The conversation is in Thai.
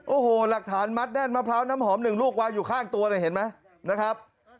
โอ้โหหลักฐานมัดแน่นมะพร้าวน้ำหอมหนึ่งลูกวางอยู่ข้างตัวเนี่ยเห็นไหมนะครับ